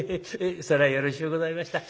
そりゃよろしゅうございました。